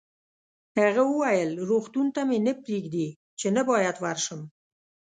هغه وویل: روغتون ته مې نه پرېږدي، چې نه باید ورشم.